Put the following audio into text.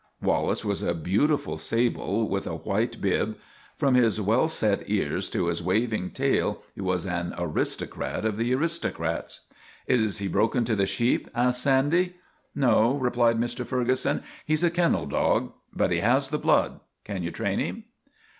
Wallace was a beautiful sable with a white bib. From his well set ears to his waving tail he was an aristocrat of the aristocrats. " Is he broken to the sheep? " asked Sandy. ' No," replied Mr. Ferguson. : He 's a kennel dog. But he has the blood. Can you train him